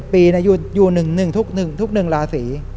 ๗ปีอยู่๑ทุก๑ลาศี